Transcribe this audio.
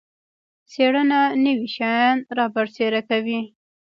څیړنه نوي شیان رابرسیره کوي